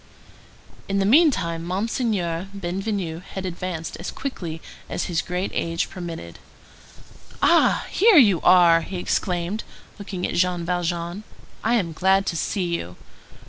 In the meantime, Monseigneur Bienvenu had advanced as quickly as his great age permitted. "Ah! here you are!" he exclaimed, looking at Jean Valjean. "I am glad to see you.